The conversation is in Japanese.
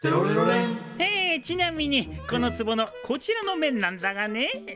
えちなみにこのつぼのこちらの面なんだがねえ